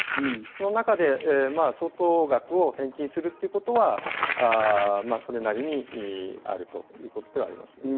その中で相当額を返金するということは、まぁそれなりにあるということではあります。